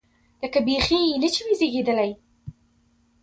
لکه بيخي نه چې وي زېږېدلی.